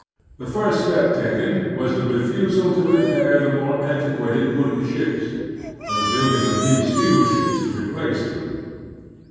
The first step taken was the refusal to repair the more antiquated wooden ships, and the building of new jteel ships to replace them.